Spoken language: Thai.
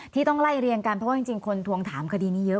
ต้องไล่เรียงกันเพราะว่าจริงคนทวงถามคดีนี้เยอะ